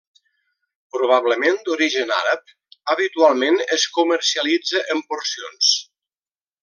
Probablement d'origen àrab, habitualment es comercialitza en porcions.